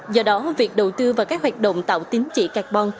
do đó việc đầu tư vào các hoạt động tạo tính trị carbon